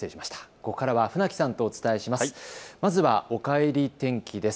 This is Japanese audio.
ここからは船木さんとお伝えします。